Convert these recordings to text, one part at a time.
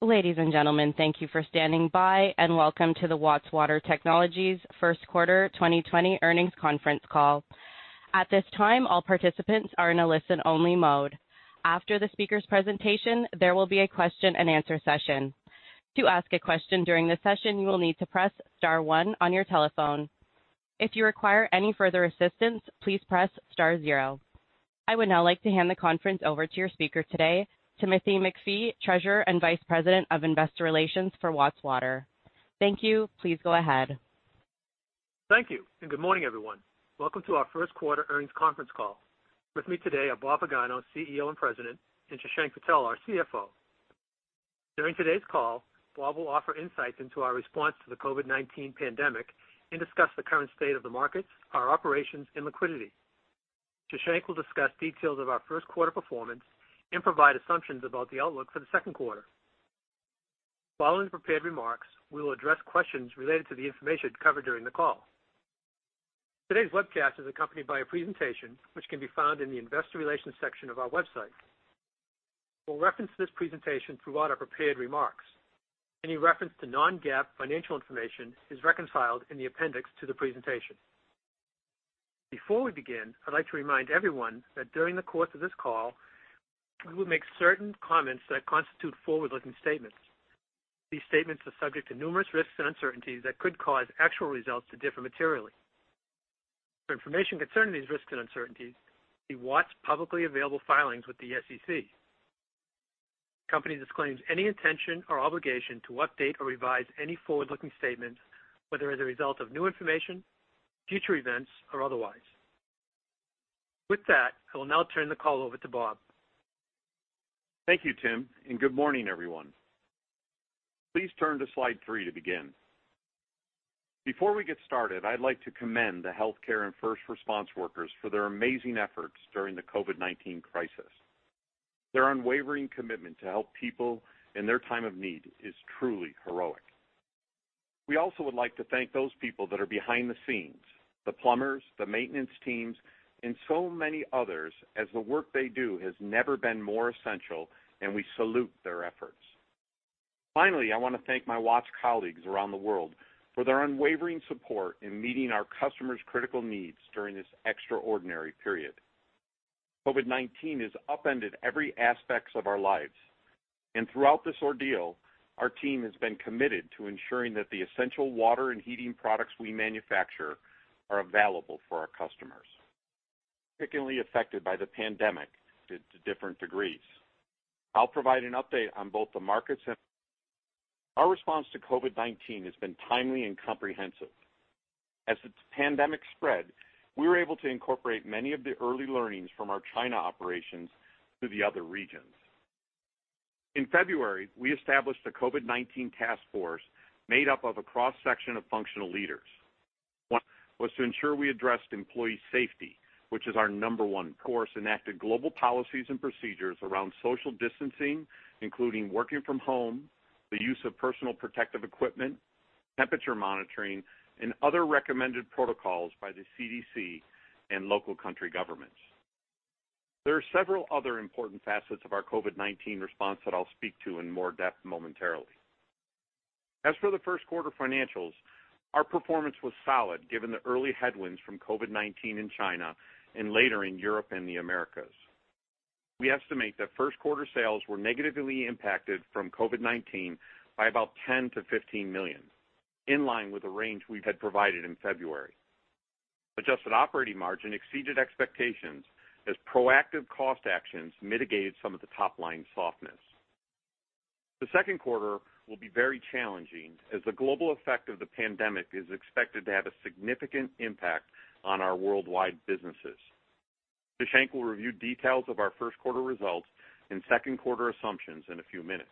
Ladies and gentlemen, thank you for standing by, and welcome to the Watts Water Technologies First Quarter 2020 Earnings Conference Call. At this time, all participants are in a listen-only mode. After the speaker's presentation, there will be a question-and-answer session. To ask a question during the session, you will need to press star one on your telephone. If you require any further assistance, please press star zero. I would now like to hand the conference over to your speaker today, Timothy MacPhee, Treasurer and Vice President of Investor Relations for Watts Water. Thank you. Please go ahead. Thank you, and good morning, everyone. Welcome to our first quarter earnings conference call. With me today are Bob Pagano, CEO and President, and Shashank Patel, our CFO. During today's call, Bob will offer insights into our response to the COVID-19 pandemic and discuss the current state of the markets, our operations, and liquidity. Shashank will discuss details of our first quarter performance and provide assumptions about the outlook for the second quarter. Following the prepared remarks, we will address questions related to the information covered during the call. Today's webcast is accompanied by a presentation which can be found in the investor relations section of our website. We'll reference this presentation throughout our prepared remarks. Any reference to non-GAAP financial information is reconciled in the appendix to the presentation. Before we begin, I'd like to remind everyone that during the course of this call, we will make certain comments that constitute forward-looking statements. These statements are subject to numerous risks and uncertainties that could cause actual results to differ materially. For information concerning these risks and uncertainties, see Watts' publicly available filings with the SEC. The company disclaims any intention or obligation to update or revise any forward-looking statements, whether as a result of new information, future events, or otherwise. With that, I will now turn the call over to Bob. Thank you, Tim, and good morning, everyone. Please turn to slide 3 to begin. Before we get started, I'd like to commend the healthcare and first response workers for their amazing efforts during the COVID-19 crisis. Their unwavering commitment to help people in their time of need is truly heroic. We also would like to thank those people that are behind the scenes, the plumbers, the maintenance teams, and so many others, as the work they do has never been more essential, and we salute their efforts. Finally, I wanna thank my Watts colleagues around the world for their unwavering support in meeting our customers' critical needs during this extraordinary period. COVID-19 has upended every aspects of our lives, and throughout this ordeal, our team has been committed to ensuring that the essential water and heating products we manufacture are available for our customers. Particularly affected by the pandemic to different degrees. I'll provide an update on both the markets and... Our response to COVID-19 has been timely and comprehensive. As the pandemic spread, we were able to incorporate many of the early learnings from our China operations to the other regions. In February, we established a COVID-19 task force made up of a cross-section of functional leaders. One was to ensure we addressed employee safety, which is our number one concern, enacted global policies and procedures around social distancing, including working from home, the use of personal protective equipment, temperature monitoring, and other recommended protocols by the CDC and local country governments. There are several other important facets of our COVID-19 response that I'll speak to in more depth momentarily. As for the first quarter financials, our performance was solid given the early headwinds from COVID-19 in China and later in Europe and the Americas. We estimate that first quarter sales were negatively impacted from COVID-19 by about $10-$15 million, in line with the range we had provided in February. Adjusted operating margin exceeded expectations as proactive cost actions mitigated some of the top-line softness. The second quarter will be very challenging, as the global effect of the pandemic is expected to have a significant impact on our worldwide businesses. Shashank will review details of our first quarter results and second quarter assumptions in a few minutes.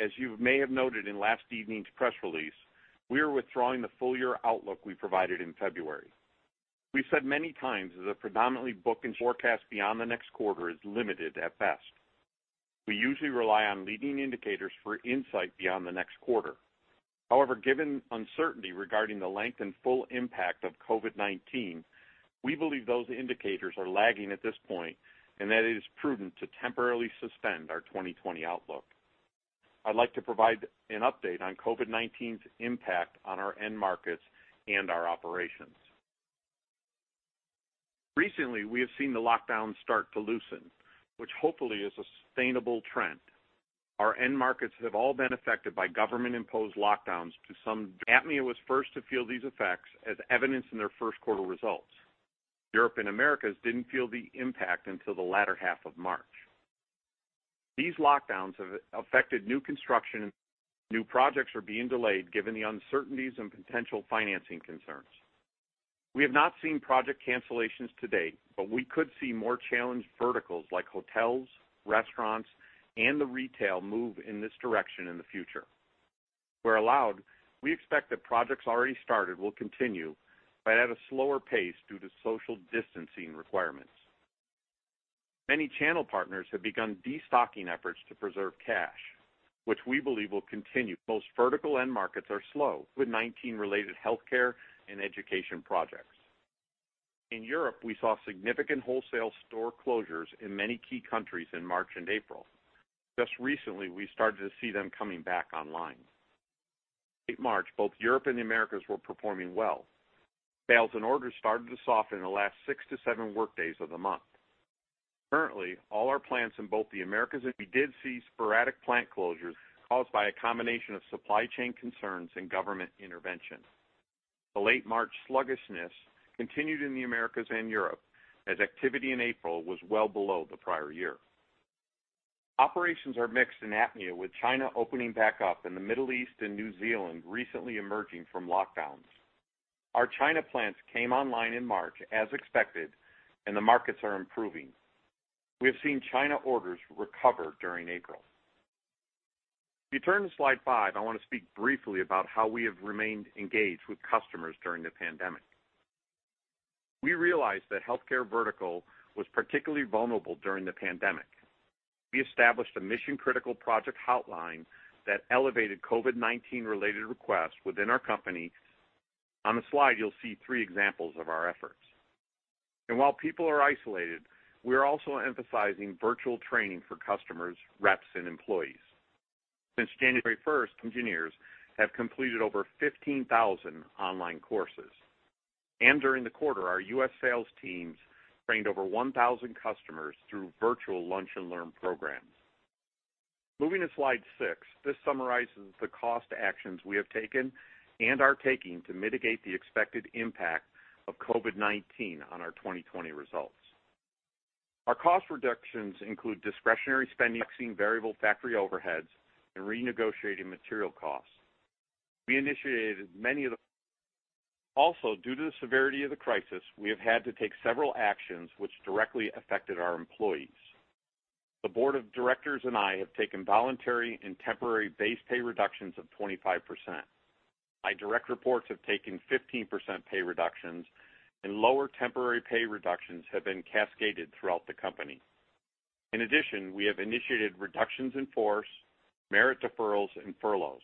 As you may have noted in last evening's press release, we are withdrawing the full year outlook we provided in February. We've said many times that the predictabilitybook and forecast beyond the next quarter is limited at best. We usually rely on leading indicators for insight beyond the next quarter. However, given uncertainty regarding the length and full impact of COVID-19, we believe those indicators are lagging at this point and that it is prudent to temporarily suspend our 2020 outlook. I'd like to provide an update on COVID-19's impact on our end markets and our operations. Recently, we have seen the lockdowns start to loosen, which hopefully is a sustainable trend. Our end markets have all been affected by government-imposed lockdowns. APMEA was first to feel these effects, as evidenced in their first quarter results. Europe and Americas didn't feel the impact until the latter half of March. These lockdowns have affected new construction. New projects are being delayed given the uncertainties and potential financing concerns. We have not seen project cancellations to date, but we could see more challenged verticals like hotels, restaurants, and the retail move in this direction in the future. Where allowed, we expect that projects already started will continue, but at a slower pace due to social distancing requirements. Many channel partners have begun destocking efforts to preserve cash, which we believe will continue. Most vertical end markets are slow, with COVID-19-related healthcare and education projects... In Europe, we saw significant wholesale store closures in many key countries in March and April. Just recently, we started to see them coming back online. In late March, both Europe and the Americas were performing well. Sales and orders started to soften in the last 6-7 work days of the month. Currently, all our plants in both the Americas, and we did see sporadic plant closures caused by a combination of supply chain concerns and government intervention. The late March sluggishness continued in the Americas and Europe, as activity in April was well below the prior year. Operations are mixed in APMEA, with China opening back up, and the Middle East and New Zealand recently emerging from lockdowns. Our China plants came online in March, as expected, and the markets are improving. We have seen China orders recover during April. If you turn to slide five, I want to speak briefly about how we have remained engaged with customers during the pandemic. We realized that healthcare vertical was particularly vulnerable during the pandemic. We established a mission-critical project hotline that elevated COVID-19 related requests within our company. On the slide, you'll see three examples of our efforts. While people are isolated, we are also emphasizing virtual training for customers, reps, and employees. Since January first, engineers have completed over 15,000 online courses, and during the quarter, our U.S. sales teams trained over 1,000 customers through virtual lunch and learn programs. Moving to slide 6, this summarizes the cost actions we have taken and are taking to mitigate the expected impact of COVID-19 on our 2020 results. Our cost reductions include discretionary spending, ceasing variable factory overheads, and renegotiating material costs. Also, due to the severity of the crisis, we have had to take several actions which directly affected our employees. The board of directors and I have taken voluntary and temporary base pay reductions of 25%. My direct reports have taken 15% pay reductions, and lower temporary pay reductions have been cascaded throughout the company. In addition, we have initiated reductions in force, merit deferrals, and furloughs.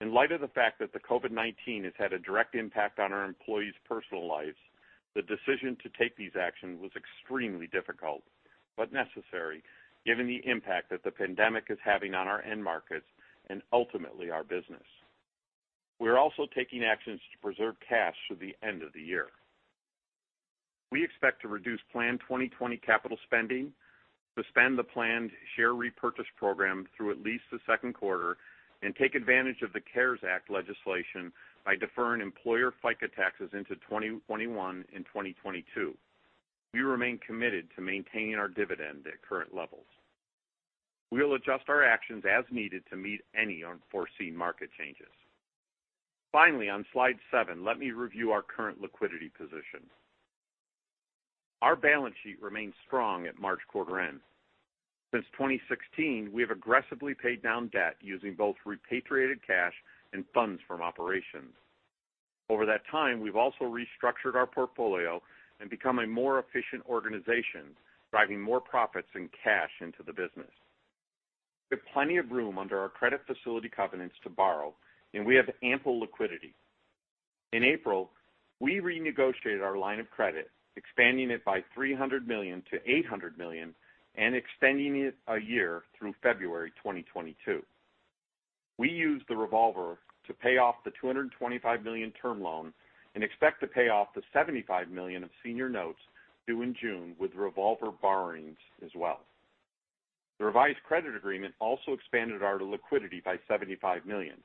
In light of the fact that the COVID-19 has had a direct impact on our employees' personal lives, the decision to take these actions was extremely difficult, but necessary, given the impact that the pandemic is having on our end markets and ultimately our business. We are also taking actions to preserve cash through the end of the year. We expect to reduce planned 2020 capital spending, suspend the planned share repurchase program through at least the second quarter, and take advantage of the CARES Act legislation by deferring employer FICA taxes into 2021 and 2022. We remain committed to maintaining our dividend at current levels. We'll adjust our actions as needed to meet any unforeseen market changes. Finally, on slide 7, let me review our current liquidity position. Our balance sheet remains strong at March quarter end. Since 2016, we have aggressively paid down debt using both repatriated cash and funds from operations. Over that time, we've also restructured our portfolio and become a more efficient organization, driving more profits and cash into the business. We have plenty of room under our credit facility covenants to borrow, and we have ample liquidity. In April, we renegotiated our line of credit, expanding it by $300 million to $800 million and extending it a year through February 2022. We used the revolver to pay off the $225 million term loan and expect to pay off the $75 million of senior notes due in June with revolver borrowings as well. The revised credit agreement also expanded our liquidity by $75 million,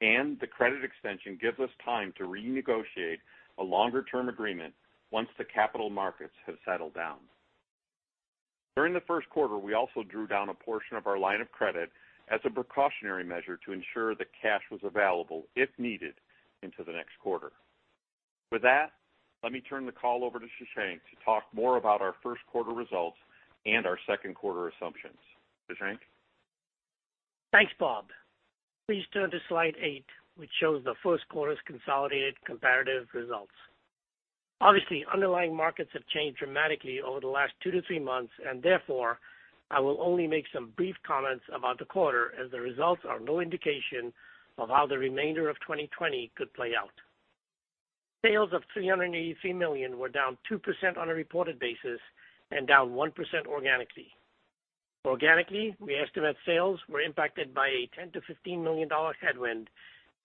and the credit extension gives us time to renegotiate a longer-term agreement once the capital markets have settled down. During the first quarter, we also drew down a portion of our line of credit as a precautionary measure to ensure that cash was available, if needed, into the next quarter. With that, let me turn the call over to Shashank to talk more about our first quarter results and our second quarter assumptions. Shashank? Thanks, Bob. Please turn to slide 8, which shows the first quarter's consolidated comparative results. Obviously, underlying markets have changed dramatically over the last 2 to 3 months, and therefore, I will only make some brief comments about the quarter, as the results are no indication of how the remainder of 2020 could play out. Sales of $383 million were down 2% on a reported basis and down 1% organically. Organically, we estimate sales were impacted by a $10 million-$15 million headwind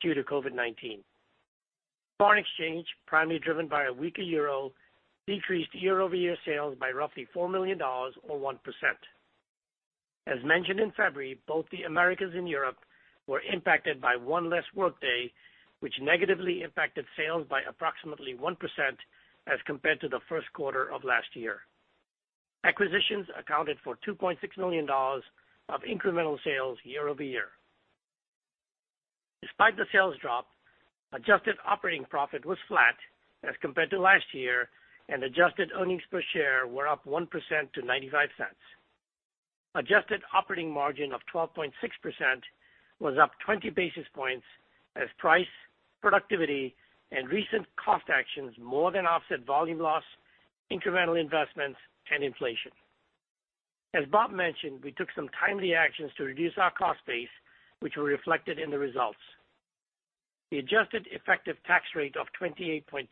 due to COVID-19. Foreign exchange, primarily driven by a weaker euro, decreased year-over-year sales by roughly $4 million, or 1%. As mentioned in February, both the Americas and Europe were impacted by 1 less workday, which negatively impacted sales by approximately 1% as compared to the first quarter of last year. Acquisitions accounted for $2.6 million of incremental sales year-over-year. Despite the sales drop, adjusted operating profit was flat as compared to last year, and adjusted earnings per share were up 1% to $0.95. Adjusted operating margin of 12.6% was up 20 basis points as price, productivity, and recent cost actions more than offset volume loss, incremental investments, and inflation.... As Bob mentioned, we took some timely actions to reduce our cost base, which were reflected in the results. The adjusted effective tax rate of 28.2%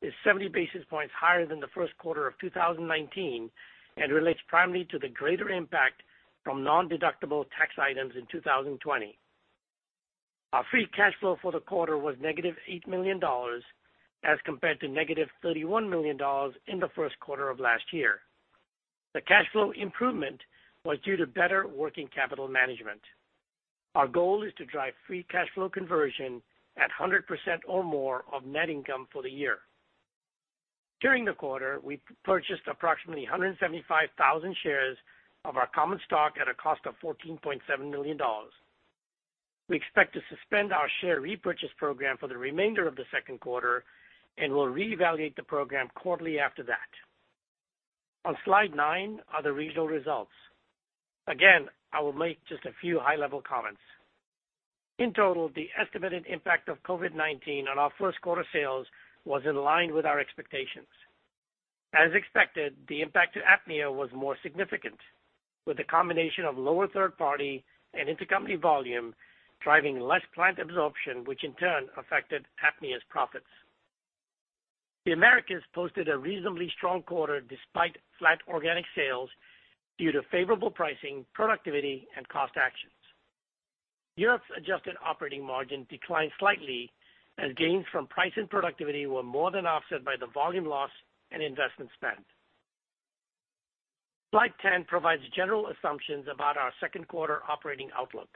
is 70 basis points higher than the first quarter of 2019, and relates primarily to the greater impact from nondeductible tax items in 2020. Our free cash flow for the quarter was negative $8 million, as compared to negative $31 million in the first quarter of last year. The cash flow improvement was due to better working capital management. Our goal is to drive free cash flow conversion at 100% or more of net income for the year. During the quarter, we purchased approximately 175,000 shares of our common stock at a cost of $14.7 million. We expect to suspend our share repurchase program for the remainder of the second quarter and will reevaluate the program quarterly after that. On Slide 9 are the regional results. Again, I will make just a few high-level comments. In total, the estimated impact of COVID-19 on our first quarter sales was in line with our expectations. As expected, the impact to APMEA was more significant, with a combination of lower third party and intercompany volume, driving less plant absorption, which in turn affected APMEA's profits. The Americas posted a reasonably strong quarter despite flat organic sales due to favorable pricing, productivity, and cost actions. Europe's adjusted operating margin declined slightly as gains from price and productivity were more than offset by the volume loss and investment spend. Slide 10 provides general assumptions about our second quarter operating outlook.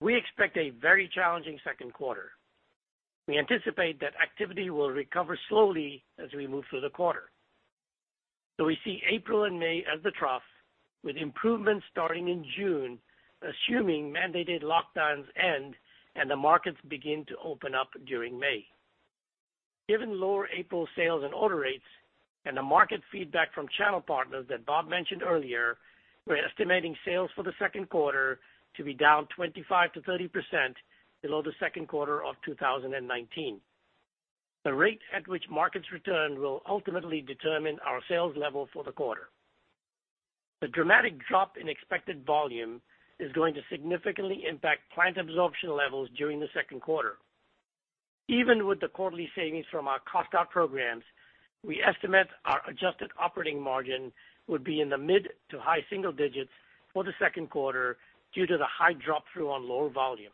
We expect a very challenging second quarter. We anticipate that activity will recover slowly as we move through the quarter. So we see April and May as the trough, with improvements starting in June, assuming mandated lockdowns end and the markets begin to open up during May. Given lower April sales and order rates and the market feedback from channel partners that Bob mentioned earlier, we're estimating sales for the second quarter to be down 25%-30% below the second quarter of 2019. The rate at which markets return will ultimately determine our sales level for the quarter. The dramatic drop in expected volume is going to significantly impact plant absorption levels during the second quarter. Even with the quarterly savings from our cost out programs, we estimate our adjusted operating margin would be in the mid to high single digits for the second quarter due to the high drop through on lower volume.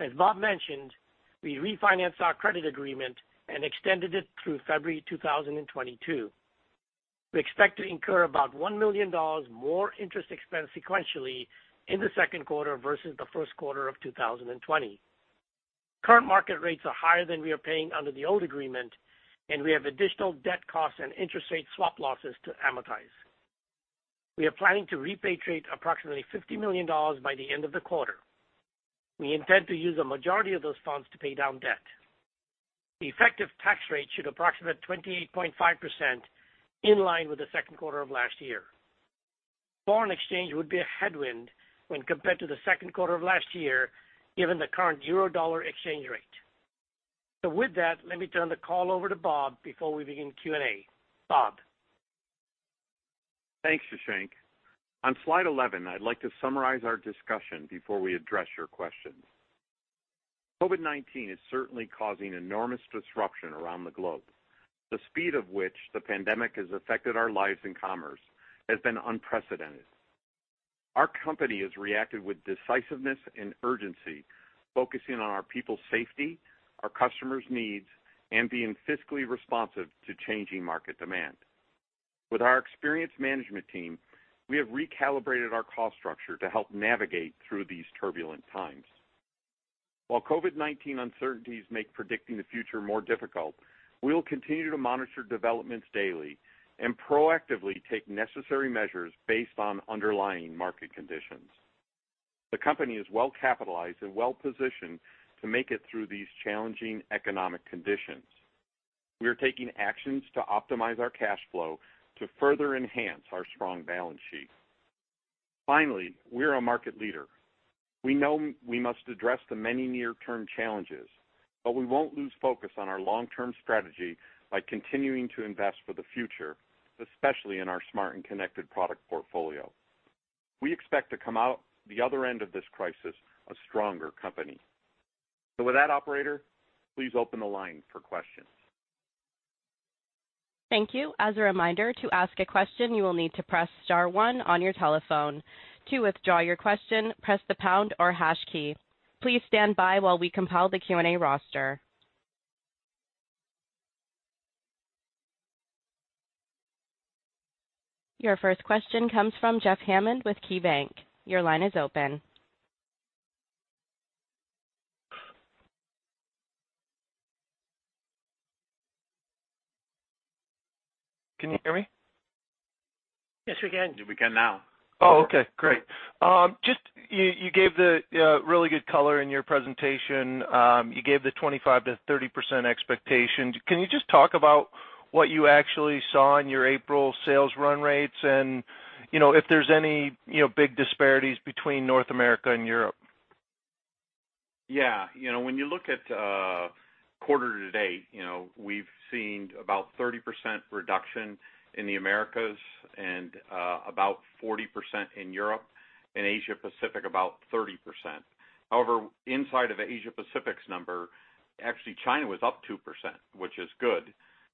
As Bob mentioned, we refinanced our credit agreement and extended it through February 2022. We expect to incur about $1 million more interest expense sequentially in the second quarter versus the first quarter of 2020. Current market rates are higher than we are paying under the old agreement, and we have additional debt costs and interest rate swap losses to amortize. We are planning to repatriate approximately $50 million by the end of the quarter. We intend to use a majority of those funds to pay down debt. The effective tax rate should approximate 28.5%, in line with the second quarter of last year. Foreign exchange would be a headwind when compared to the second quarter of last year, given the current euro dollar exchange rate. So with that, let me turn the call over to Bob before we begin Q&A. Bob? Thanks, Shashank. On slide 11, I'd like to summarize our discussion before we address your questions. COVID-19 is certainly causing enormous disruption around the globe. The speed of which the pandemic has affected our lives and commerce has been unprecedented. Our company has reacted with decisiveness and urgency, focusing on our people's safety, our customers' needs, and being fiscally responsive to changing market demand. With our experienced management team, we have recalibrated our cost structure to help navigate through these turbulent times. While COVID-19 uncertainties make predicting the future more difficult, we will continue to monitor developments daily and proactively take necessary measures based on underlying market conditions. The company is well capitalized and well positioned to make it through these challenging economic conditions. We are taking actions to optimize our cash flow to further enhance our strong balance sheet. Finally, we are a market leader. We know we must address the many near-term challenges, but we won't lose focus on our long-term strategy by continuing to invest for the future, especially in our Smart and Connected product portfolio. We expect to come out the other end of this crisis a stronger company. So with that, operator, please open the line for questions. Thank you. As a reminder, to ask a question, you will need to press star one on your telephone. To withdraw your question, press the pound or hash key. Please stand by while we compile the Q&A roster. Your first question comes from Jeff Hammond with KeyBanc. Your line is open. Can you hear me? Yes, we can. We can now. Oh, okay, great. Just you, you gave the really good color in your presentation. You gave the 25%-30% expectation. Can you just talk about what you actually saw in your April sales run rates? And, you know, if there's any, you know, big disparities between North America and Europe.... Yeah, you know, when you look at quarter to date, you know, we've seen about 30% reduction in the Americas and about 40% in Europe and Asia Pacific, about 30%. However, inside of Asia Pacific's number, actually, China was up 2%, which is good.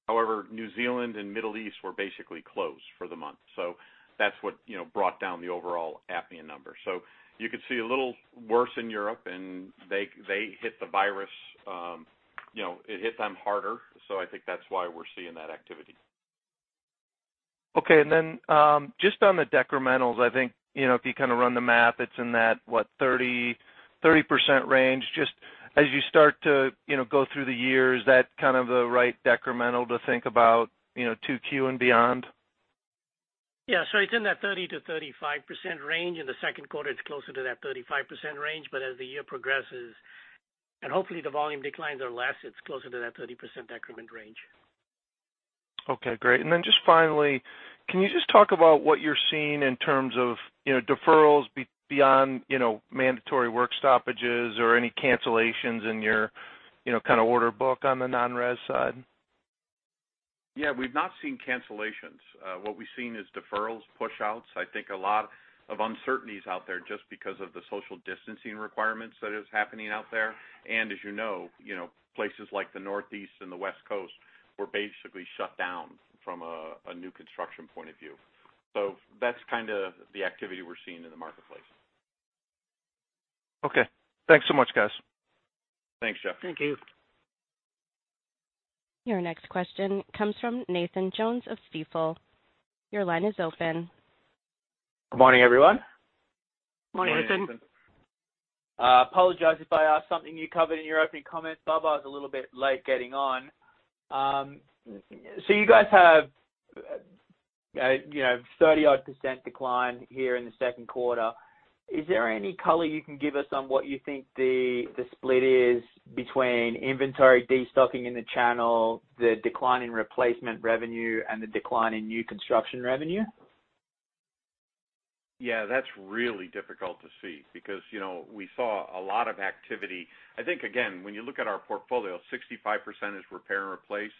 However, New Zealand and Middle East were basically closed for the month. So that's what, you know, brought down the overall APMEA number. So you could see a little worse in Europe, and they, they hit the virus, you know, it hit them harder. So I think that's why we're seeing that activity. Okay. And then, just on the decrementals, I think, you know, if you kind of run the math, it's in that, what, 30, 30% range. Just as you start to, you know, go through the year, is that kind of the right decremental to think about, you know, 2Q and beyond? Yeah, so it's in that 30%-35% range. In the second quarter, it's closer to that 35% range, but as the year progresses, and hopefully the volume declines are less, it's closer to that 30% decrement range. Okay, great. And then just finally, can you just talk about what you're seeing in terms of, you know, deferrals beyond, you know, mandatory work stoppages or any cancellations in your, you know, kind of order book on the non-res side? Yeah, we've not seen cancellations. What we've seen is deferrals, push outs. I think a lot of uncertainties out there, just because of the social distancing requirements that is happening out there. And as you know, you know, places like the Northeast and the West Coast were basically shut down from a new construction point of view. So that's kind of the activity we're seeing in the marketplace. Okay. Thanks so much, guys. Thanks, Jeff. Thank you. Your next question comes from Nathan Jones of Stifel. Your line is open. Good morning, everyone. Morning, Nathan. Morning. Apologize if I ask something you covered in your opening comments. Bob, I is a little bit late getting on. So you guys have, you know, 30-odd% decline here in the second quarter. Is there any color you can give us on what you think the split is between inventory, destocking in the channel, the decline in replacement revenue, and the decline in new construction revenue? Yeah, that's really difficult to see because, you know, we saw a lot of activity. I think, again, when you look at our portfolio, 65% is repair and replace.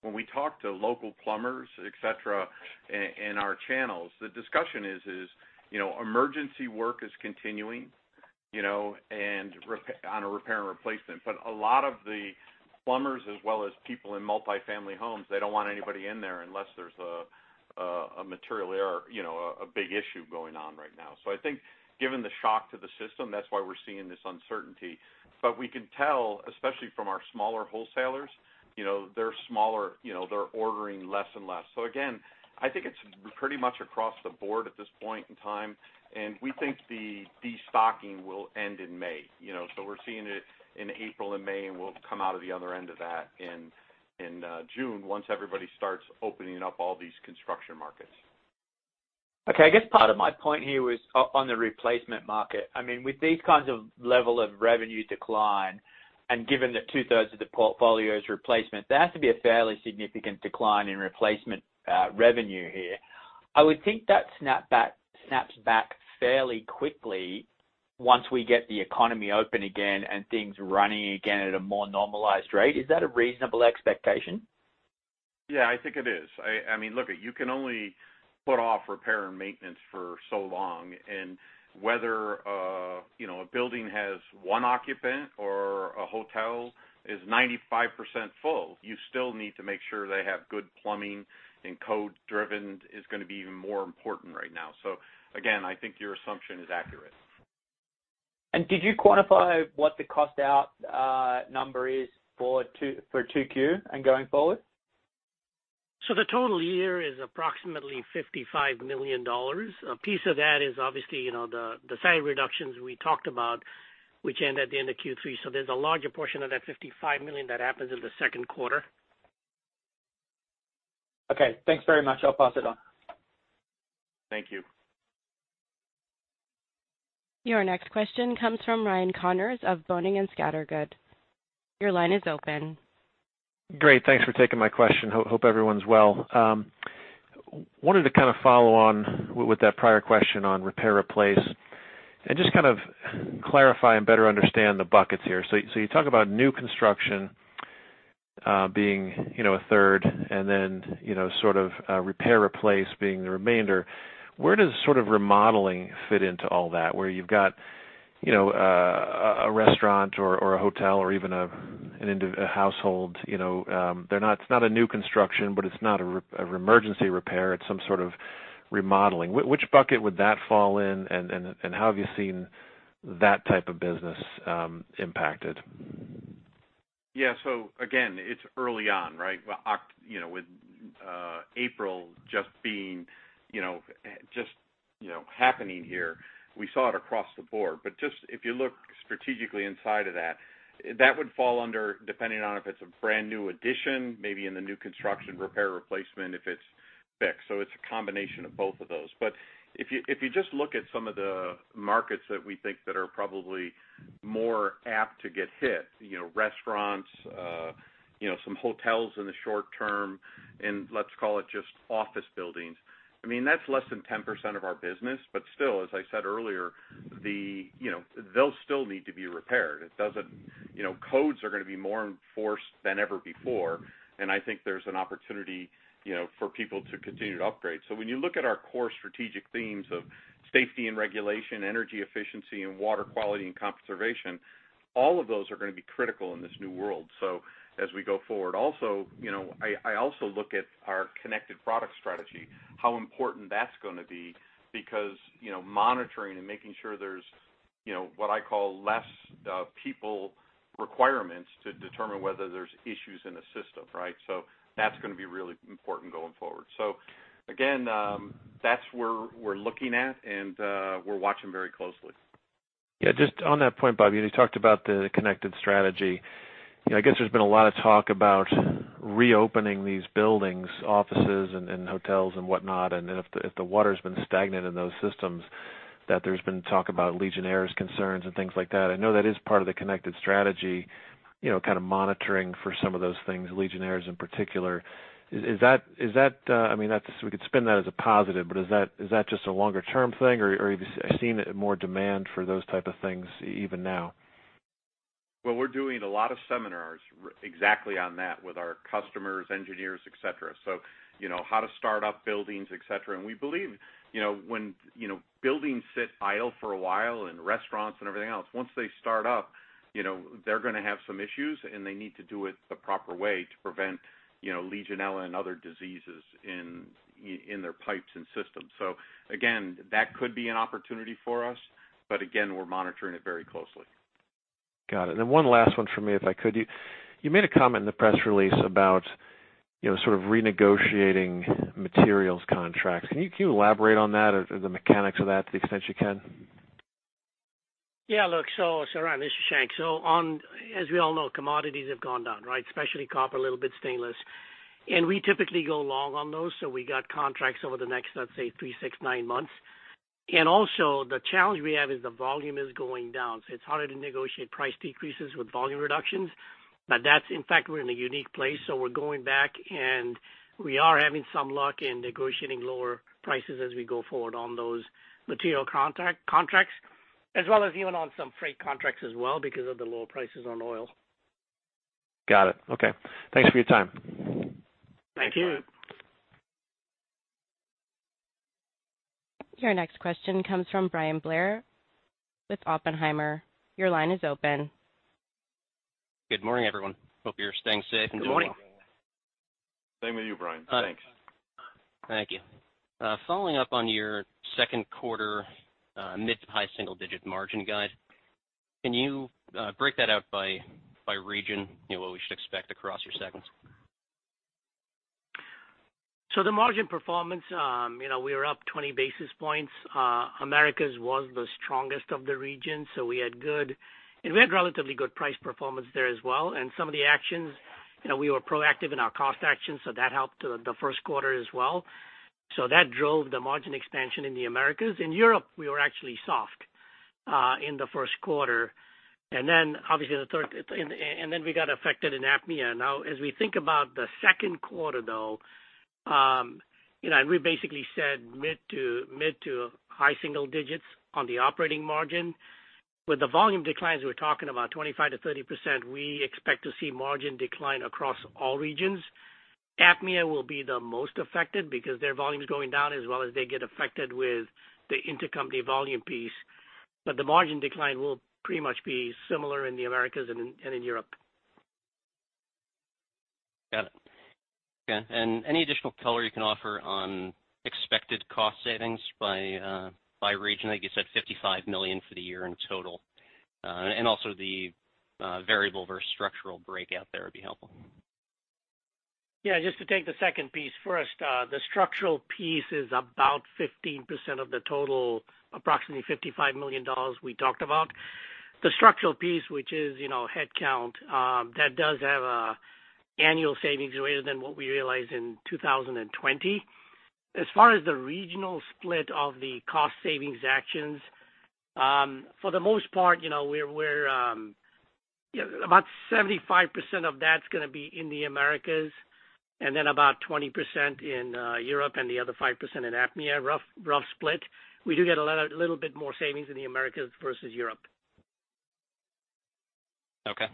When we talk to local plumbers, et cetera, and our channels, the discussion is, you know, emergency work is continuing, you know, and repair and replacement. But a lot of the plumbers, as well as people in multifamily homes, they don't want anybody in there unless there's a material error, you know, a big issue going on right now. So I think given the shock to the system, that's why we're seeing this uncertainty. But we can tell, especially from our smaller wholesalers, you know, they're smaller, you know, they're ordering less and less. So again, I think it's pretty much across the board at this point in time, and we think the destocking will end in May. You know, so we're seeing it in April and May, and we'll come out of the other end of that in June, once everybody starts opening up all these construction markets. Okay. I guess part of my point here was on the replacement market. I mean, with these kinds of level of revenue decline, and given that two-thirds of the portfolio is replacement, there has to be a fairly significant decline in replacement revenue here. I would think that snaps back fairly quickly once we get the economy open again and things running again at a more normalized rate. Is that a reasonable expectation? Yeah, I think it is. I mean, look, you can only put off repair and maintenance for so long, and whether, you know, a building has one occupant or a hotel is 95% full, you still need to make sure they have good plumbing, and code-driven is gonna be even more important right now. So again, I think your assumption is accurate. Did you quantify what the cost out number is for 2, for 2Q and going forward? So the total year is approximately $55 million. A piece of that is obviously, you know, the size reductions we talked about, which end at the end of Q3. So there's a larger portion of that $55 million that happens in the second quarter. Okay. Thanks very much. I'll pass it on. Thank you. Your next question comes from Ryan Connors of Boenning & Scattergood. Your line is open. Great. Thanks for taking my question. Hope everyone's well. Wanted to kind of follow on with that prior question on repair, replace, and just kind of clarify and better understand the buckets here. So, so you talk about new construction, being, you know, a third and then, you know, sort of, repair, replace being the remainder. Where does sort of remodeling fit into all that, where you've got, you know, a restaurant or a hotel or even an individual household, you know, they're not—it's not a new construction, but it's not a repair—an emergency repair, it's some sort of remodeling. Which bucket would that fall in, and, and, and how have you seen that type of business impacted? Yeah. So again, it's early on, right? Well, you know, with April just being, you know, just, you know, happening here, we saw it across the board. But just if you look strategically inside of that, that would fall under, depending on if it's a brand new addition, maybe in the new construction, repair, replacement, if it's fixed. So it's a combination of both of those. But if you, if you just look at some of the markets that we think that are probably more apt to get hit, you know, restaurants, you know, some hotels in the short term, and let's call it just office buildings. I mean, that's less than 10% of our business, but still, as I said earlier, the, you know, they'll still need to be repaired. It doesn't, you know, codes are gonna be more enforced than ever before, and I think there's an opportunity, you know, for people to continue to upgrade. So when you look at our core strategic themes of safety and regulation, energy efficiency, and water quality and conservation, all of those are gonna be critical in this new world. So as we go forward, also, you know, I also look at our connected product strategy, how important that's gonna be, because, you know, monitoring and making sure there's, you know, what I call less people requirements to determine whether there's issues in the system, right? So that's gonna be really important going forward. So again, that's where we're looking at, and we're watching very closely. Yeah, just on that point, Bob, you know, you talked about the connected strategy. You know, I guess there's been a lot of talk about reopening these buildings, offices, and, and hotels and whatnot. And then if the, if the water's been stagnant in those systems, that there's been talk about Legionnaires' concerns and things like that. I know that is part of the connected strategy, you know, kind of monitoring for some of those things, Legionnaires in particular. Is that, is that, I mean, that's—we could spin that as a positive, but is that, is that just a longer-term thing, or, or are you seeing more demand for those type of things even now? Well, we're doing a lot of seminars exactly on that with our customers, engineers, et cetera. So you know, how to start up buildings, et cetera. And we believe, you know, when, you know, buildings sit idle for a while, and restaurants and everything else, once they start up, you know, they're gonna have some issues, and they need to do it the proper way to prevent, you know, Legionella and other diseases in their pipes and systems. So again, that could be an opportunity for us, but again, we're monitoring it very closely. Got it. And then one last one for me, if I could. You, you made a comment in the press release about, you know, sort of renegotiating materials contracts. Can you, can you elaborate on that or the mechanics of that, to the extent you can? Yeah, look, so, so Ryan, this is Shashank. So on—as we all know, commodities have gone down, right? Especially copper, a little bit stainless. And we typically go long on those, so we got contracts over the next, let's say, 3, 6, 9 months. And also, the challenge we have is the volume is going down, so it's harder to negotiate price decreases with volume reductions. But that's, in fact, we're in a unique place, so we're going back, and we are having some luck in negotiating lower prices as we go forward on those material contract, contracts, as well as even on some freight contracts as well because of the lower prices on oil. Got it. Okay. Thanks for your time. Thank you. Thank you. Your next question comes from Bryan Blair with Oppenheimer. Your line is open. Good morning, everyone. Hope you're staying safe and well. Good morning. Same with you, Brian. Thanks. Thank you. Following up on your second quarter, mid to high single digit margin guide, can you break that out by region? You know, what we should expect across your segments. So the margin performance, you know, we were up 20 basis points. Americas was the strongest of the regions, so we had good and we had relatively good price performance there as well. And some of the actions, you know, we were proactive in our cost actions, so that helped the first quarter as well. So that drove the margin expansion in the Americas. In Europe, we were actually soft in the first quarter. And then, obviously, the third and then we got affected in APMEA. Now, as we think about the second quarter, though, you know, and we basically said mid to mid to high single digits on the operating margin. With the volume declines, we're talking about 25%-30%, we expect to see margin decline across all regions. APMEA will be the most affected because their volume is going down as well as they get affected with the intercompany volume piece. But the margin decline will pretty much be similar in the Americas and in Europe. Got it. Yeah, and any additional color you can offer on expected cost savings by, by region? I think you said $55 million for the year in total. And also the variable versus structural breakout there would be helpful. Yeah, just to take the second piece first, the structural piece is about 15% of the total, approximately $55 million we talked about. The structural piece, which is, you know, headcount, that does have an annual savings greater than what we realized in 2020. As far as the regional split of the cost savings actions, for the most part, you know, we're about 75% of that's gonna be in the Americas, and then about 20% in Europe, and the other 5% in APMEA, rough split. We do get a lot, a little bit more savings in the Americas versus Europe. Okay.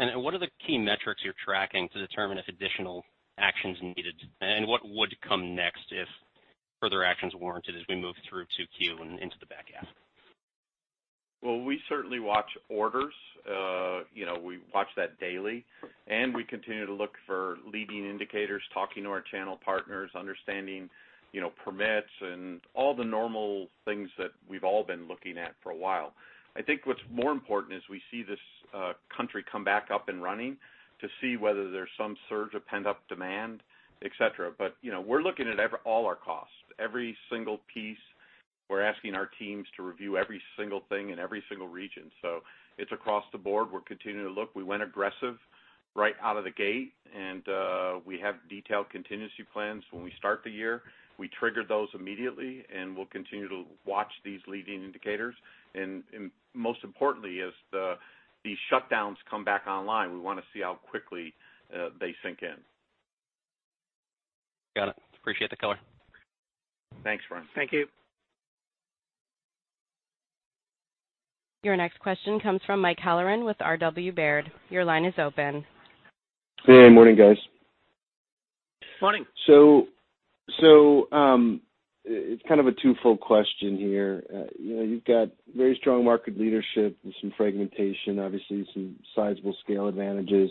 And what are the key metrics you're tracking to determine if additional action is needed? And what would come next if further action is warranted as we move through 2Q and into the back half? Well, we certainly watch orders. You know, we watch that daily, and we continue to look for leading indicators, talking to our channel partners, understanding, you know, permits and all the normal things that we've all been looking at for a while. I think what's more important as we see this country come back up and running, to see whether there's some surge of pent-up demand, et cetera. But, you know, we're looking at every, all our costs, every single piece. We're asking our teams to review every single thing in every single region. So it's across the board. We're continuing to look. We went aggressive right out of the gate, and we have detailed contingency plans when we start the year. We triggered those immediately, and we'll continue to watch these leading indicators. Most importantly, as these shutdowns come back online, we want to see how quickly they sink in.... Got it. Appreciate the color. Thanks, Brian. Thank you. Your next question comes from Mike Halloran with RW Baird. Your line is open. Hey, morning, guys. Morning! So, it's kind of a twofold question here. You know, you've got very strong market leadership and some fragmentation, obviously, some sizable scale advantages.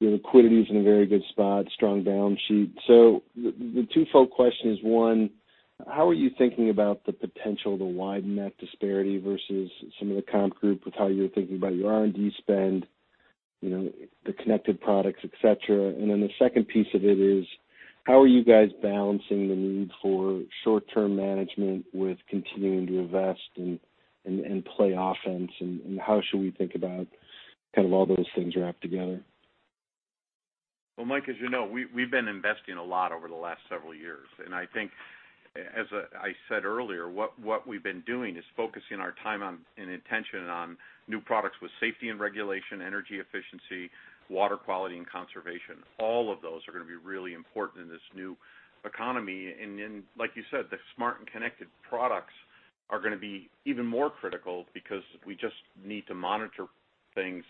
Your liquidity is in a very good spot, strong balance sheet. So the twofold question is, one, how are you thinking about the potential to widen that disparity versus some of the comp group with how you're thinking about your R&D spend, you know, the connected products, et cetera? And then the second piece of it is: How are you guys balancing the need for short-term management with continuing to invest and play offense, and how should we think about kind of all those things wrapped together? Well, Mike, as you know, we, we've been investing a lot over the last several years, and I think, as I said earlier, what we've been doing is focusing our time on, and intention on new products with safety and regulation, energy efficiency, water quality, and conservation. All of those are gonna be really important in this new economy. And then, like you said, the smart and connected products are gonna be even more critical because we just need to monitor things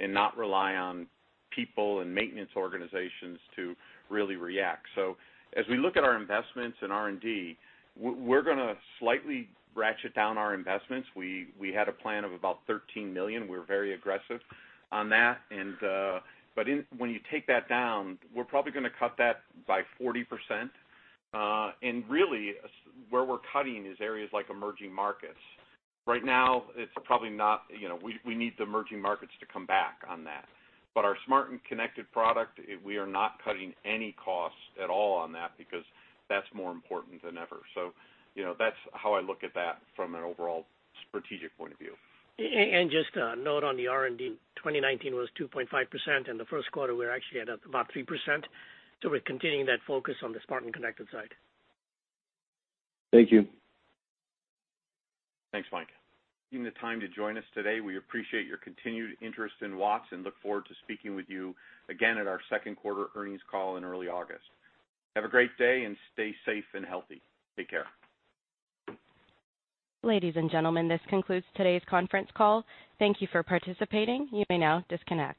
and not rely on people and maintenance organizations to really react. So as we look at our investments in R&D, we're gonna slightly ratchet down our investments. We, we had a plan of about $13 million. We're very aggressive on that, and, but when you take that down, we're probably gonna cut that by 40%. And really, where we're cutting is areas like emerging markets. Right now, it's probably not, you know, we need the emerging markets to come back on that. But our Smart and Connected product, we are not cutting any costs at all on that because that's more important than ever. So, you know, that's how I look at that from an overall strategic point of view. Just a note on the R&D, 2019 was 2.5%. In the first quarter, we're actually at about 3%, so we're continuing that focus on the Smart and Connected side. Thank you. Thanks, Mike. Taking the time to join us today, we appreciate your continued interest in Watts and look forward to speaking with you again at our second quarter earnings call in early August. Have a great day, and stay safe and healthy. Take care. Ladies and gentlemen, this concludes today's conference call. Thank you for participating. You may now disconnect.